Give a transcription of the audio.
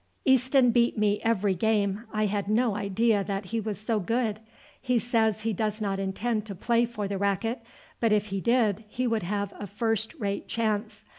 "Easton beat me every game. I had no idea that he was so good. He says he does not intend to play for the racket, but if he did he would have a first rate chance.